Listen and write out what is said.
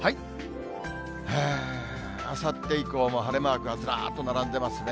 あさって以降も晴れマークがずらーっと並んでますね。